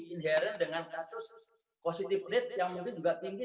inherent dengan kasus positive rate yang mungkin juga tinggi